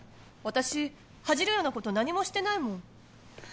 私恥じるようなこと何もしてないもん。